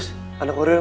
masuk kuliah dulu